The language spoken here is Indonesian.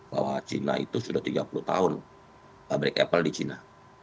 bahwa china itu sudah tiga puluh tahun pabrik apple di china